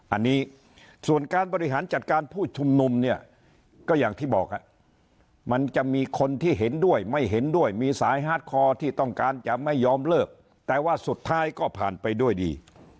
อันนี้ส่วนการบริหารจัดการผู้ชุมนุมเนี่ยก็อย่างที่บอกมันจะมีคนที่เห็นด้วยไม่เห็นด้วยมีสายฮาร์ดคอร์ที่ต้องการจะไม่ยอมเลิกแต่ว่าสุดท้ายก็ผ่านไปด้วยดี